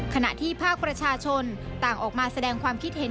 ขณะที่ภาคประชาชนต่างออกมาแสดงความคิดเห็น